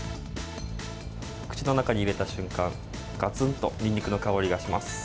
口の中に入れた瞬間、がつんとニンニクの香りがします。